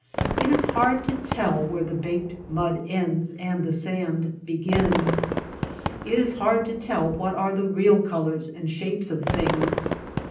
It is hard to tell where the baked mud ends and the sand begins. It is hard to tell what are the real colors and shapes of things.